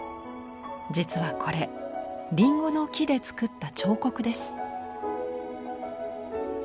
実はこれりんごの木でつくった彫刻です。